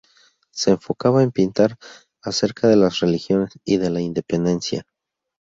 Se enfocaba en pintar acerca de las religiones y de la independencia.